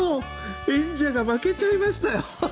演者が負けちゃいましたよ。